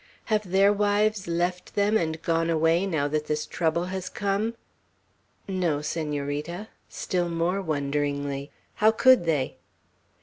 "Have their wives left them and gone away, now that this trouble has come?" "No, Senorita." still more wonderingly; "how could they?"